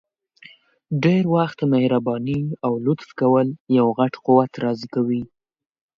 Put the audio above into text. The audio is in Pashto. ډير وخت مهرباني او لطف کول یو غټ قوت راضي کوي!